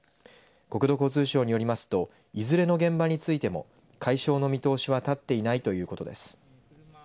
国土交通省によりますといずれの現場についても解消の見通しは立っていないということです。